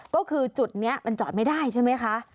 ก็คือจุดนี้มันจอดไม่ได้ใช่ไหมคะ